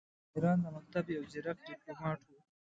د ایران د مکتب یو ځیرک ډیپلوماټ وو.